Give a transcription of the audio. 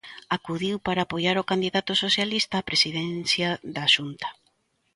Acudiu para apoiar o candidato socialista á presidencia da Xunta.